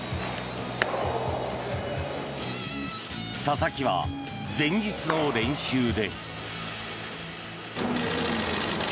佐々木は前日の練習で。